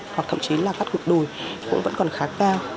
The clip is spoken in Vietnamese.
hoặc thậm chí là cắt cụt đùi cũng vẫn còn khá cao